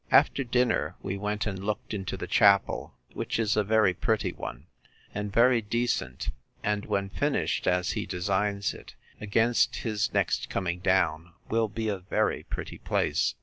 After dinner we went and looked into the chapel, which is a very pretty one, and very decent; and, when finished as he designs it, against his next coming down, will be a very pretty place.